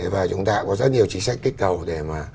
và chúng ta cũng có rất nhiều chính sách kích cầu để mà